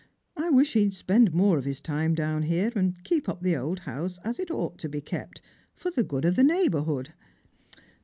I wish he'd spend more of his time down here, and keep up the old house as it ought to kept, for the good of the neighbourhood."